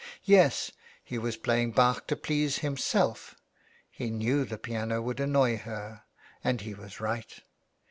Yes, he was playing Bach to please himself He knew the piano would annoy her. And he was right.